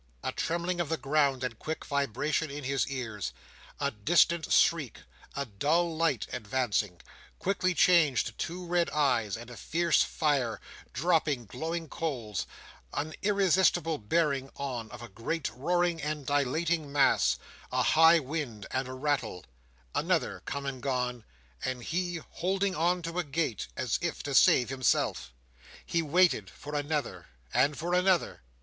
A trembling of the ground, and quick vibration in his ears; a distant shriek; a dull light advancing, quickly changed to two red eyes, and a fierce fire, dropping glowing coals; an irresistible bearing on of a great roaring and dilating mass; a high wind, and a rattle—another come and gone, and he holding to a gate, as if to save himself! He waited for another, and for another.